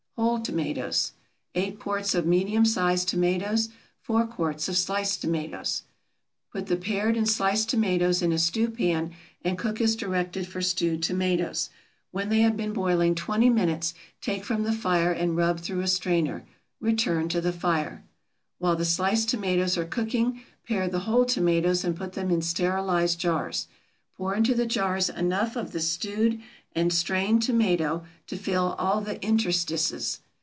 WHOLE TOMATOES. 8 quarts of medium sized tomatoes. 4 quarts of sliced tomatoes. Put the pared and sliced tomatoes into a stewpan and cook as directed for stewed tomatoes. When they have been boiling twenty minutes take from the fire and rub through a strainer. Return to the fire. While the sliced tomatoes are cooking, pare the whole tomatoes and put them in sterilized jars. Pour into the jars enough of the stewed and strained tomato to fill all the interstices.